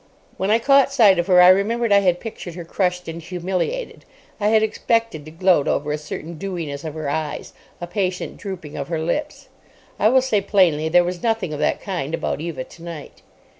When I caught sight of her I remembered I had pictured her crushed and humiliated. I had expected to gloat over a certain dewiness of her eyes, a patient drooping of her lips. I will say plainly there was nothing of that kind about Eva tonight.